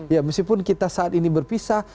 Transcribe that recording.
ya meskipun kita saat ini berpisah